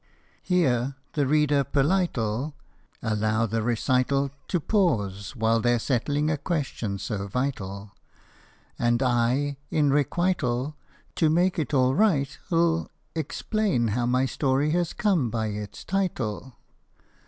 Here the reader polite '11 Allow the recital To pause while they 're settling a question so vital ; And I, in requital, To make it all right, '11 Explain how my story has come by its title.